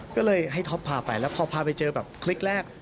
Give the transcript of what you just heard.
ก็เลยให้ท็อปพาไปแล้วพอพาไปเจอแบบคลิกแรก